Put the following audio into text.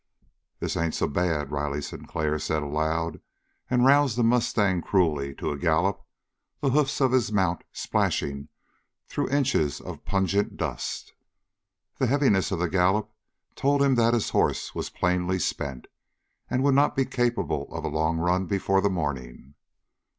"This ain't so bad," Riley Sinclair said aloud and roused the mustang cruelly to a gallop, the hoofs of his mount splashing through inches of pungent dust. The heaviness of the gallop told him that his horse was plainly spent and would not be capable of a long run before the morning.